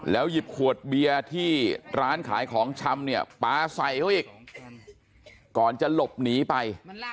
หยิบขวดเบียร์ที่ร้านขายของชำเนี่ยปลาใส่เขาอีกก่อนจะหลบหนีไป